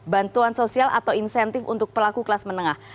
bantuan sosial atau insentif untuk pelaku kelas menengah